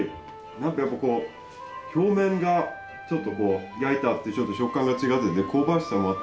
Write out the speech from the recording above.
なんかやっぱこう表面がちょっとこう焼いてあって食感が違ってて香ばしさもあって。